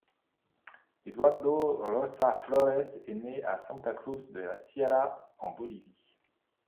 Eduardo Rózsa-Flores est né à Santa Cruz de la Sierra en Bolivie.